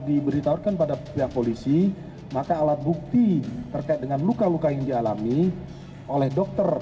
diberitahukan pada pihak polisi maka alat bukti terkait dengan luka luka yang dialami oleh dokter